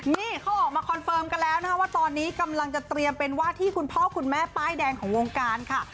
นี่เขาออกมาคอนเฟิร์มกันแล้วนะคะว่าตอนนี้กำลังจะเตรียมเป็นว่าที่คุณพ่อคุณแม่ป้ายแดงของวงการค่ะ